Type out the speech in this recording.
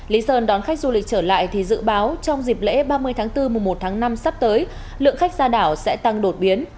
lý sơn đón khách du lịch trở lại thì dự báo trong dịp lễ ba mươi tháng bốn mùa một tháng năm sắp tới